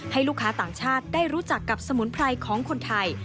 ให้ลูกค้าต่างชาติได้รู้จักกับสมุนไพรของคนไทย